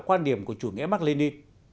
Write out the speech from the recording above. quan điểm của chủ nghĩa mark lenin